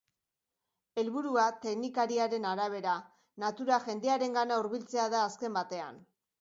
Helburua, teknikariaren arabera, natura jendearengana hurbiltzea da azken batean.